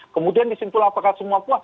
kemudian disimpul apakah semua puas